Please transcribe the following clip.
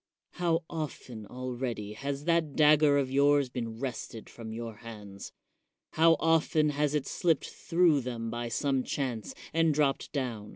How often already has that dagger of yours been wrested from your hands? How often has it slipped through them by some chance, and dropped down ?